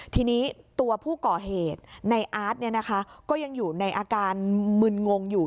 ทีนี้ตัวผู้ก่อเหตุในอาร์ตก็ยังอยู่ในอาการมึนงงอยู่